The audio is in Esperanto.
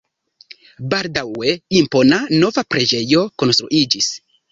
Baldaŭe impona, nova preĝejo konstruiĝis.